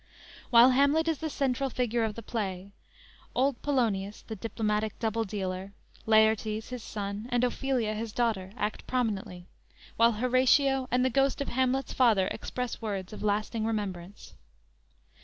While Hamlet is the central figure of the play, old Polonius, the diplomatic double dealer, Laertes, his son, and Ophelia, his daughter, act prominently, while Horatio and the ghost of Hamlet's father express words of lasting remembrance.